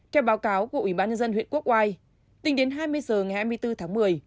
theo báo cáo của ủy ban nhân dân huyện quốc oai tính đến hai mươi h ngày hai mươi bốn tháng một mươi